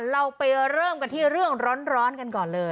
เราไปเริ่มกันที่เรื่องร้อนกันก่อนเลย